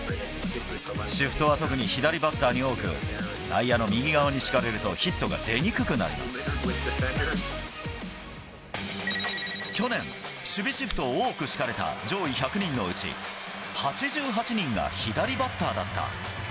シフトは特に左バッターに多く、内野の右側に敷かれると、ヒット去年、守備シフトを多く敷かれた上位１００人のうち、８８人が左バッターだった。